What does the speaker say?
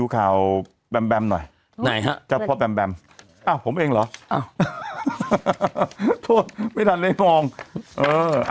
ข่าวแบมแบมหน่อยไหนฮะเจ้าพ่อแบมแบมอ้าวผมเองเหรออ้าวโทษไม่ทันได้มองเออ